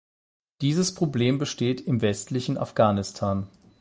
Dieses Problem besteht im westlichen Afghanistan.